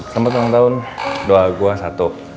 selamat ulang tahun doa gue satu